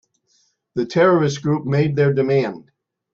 The terrorist group made their demand.